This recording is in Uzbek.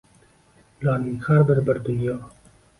Ularning har biri bir dunyo.